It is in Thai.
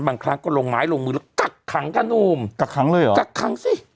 บางครั้งก็ลงไม้ลงมือแล้วกักขังค่ะหนุ่มกักขังเลยเหรอกักขังสิ